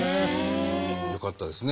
よかったですね